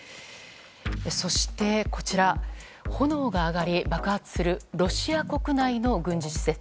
そして、炎が上がり爆発するロシア国内の軍事施設。